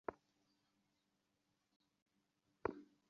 প্রেম মমতা সৌন্দর্য ধর্ম সমস্তই মিথ্যা, সত্য কেবল তোর ওই অনন্ত রক্ততৃষা?